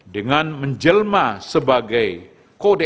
dengan menjelma sebagai kode